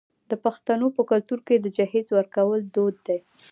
د پښتنو په کلتور کې د جهیز ورکول دود دی.